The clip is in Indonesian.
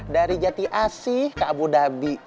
dari jati asih ke abu dhabi